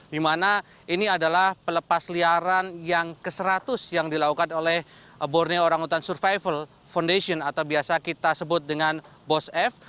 dimana ini adalah pelepas liaran yang ke seratus yang dilakukan oleh borneo orangutan survival foundation atau biasa kita sebut dengan bos f